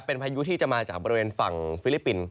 เป็นพายุที่จะมาจากบริเวณฝั่งฟิลิปปินส์